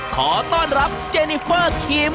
ขอต้อนรับเจนิเฟอร์ครีม